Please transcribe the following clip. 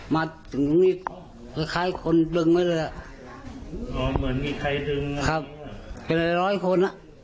มาถึงนี่คล้ายคนดึงไว้เลยอ่ะเหมือนมีใครดึงนะครับเป็นหลายร้อยคนอ่ะ